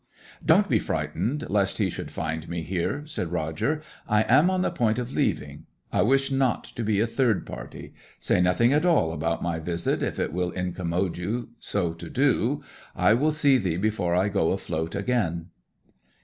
'Don't be frightened lest he should find me here!' said Roger. 'I am on the point of leaving. I wish not to be a third party. Say nothing at all about my visit, if it will incommode you so to do. I will see thee before I go afloat again.'